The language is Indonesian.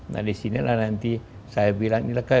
nah disinilah nanti saya bilang ilegal